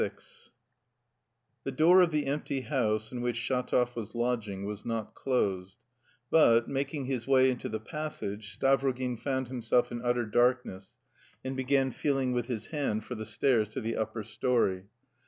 VI The door of the empty house in which Shatov was lodging was not closed; but, making his way into the passage, Stavrogin found himself in utter darkness, and began feeling with his hand for the stairs to the upper story.